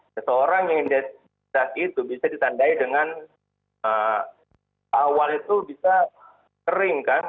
seseorang yang identitas itu bisa ditandai dengan awal itu bisa kering kan